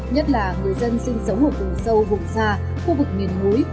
nhất là người dân sinh sống ở vùng sâu vùng xa khu vực miền núi